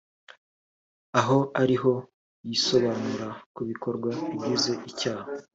aho ariho yisobanura ku bikorwa bigize icyaha